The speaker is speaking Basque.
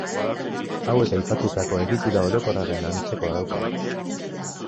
Hauek aipatutako egitura orokorraren antzekoa dauka.